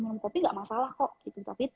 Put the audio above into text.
minum kopi gak masalah kok tapi